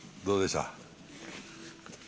どうでした？